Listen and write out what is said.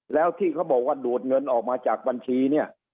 แล้วที่เขาบอกว่าดูดเงินออกมาจากบัญชีเนี่ย